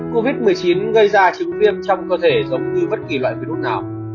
covid một mươi chín gây ra chứng viêm trong cơ thể giống như bất kỳ loại virus nào